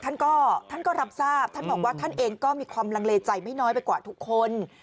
ท่านก็ท่านก็รับทราบท่านบอกว่าท่านเองก็มีความลังเลใจไม่น้อยไปกว่าทุกคน